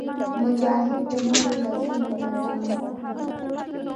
مجاهد د نورو له ظلم نه ځان ساتي.